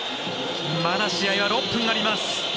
まだ試合は６分あります。